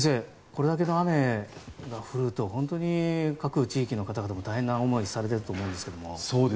これだけの雨が降ると本当に各地域の方々も大変な思いをされていると思うんですけど。